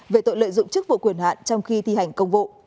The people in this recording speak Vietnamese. về tội lợi dụng chức vụ quyền hạn trong khi thi hành công vụ